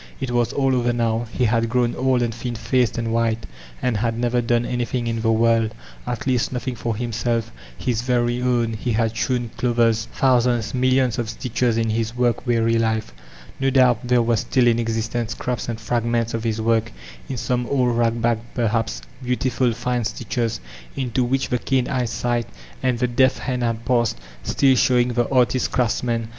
It was all over now; he had grown old and thin faced and white, and had never done anything in the world; at least nothing for himsdf, his very own; he had sewn clothes, — thousands, millions of stitches in his work weary life— no doubt there were still in existence scraps and fragments of his work, — m some old ragbag perhaps — beautiful, fine stitches, into which the keen qresight and tiie deft hand had passed, still showing the artist craftsman.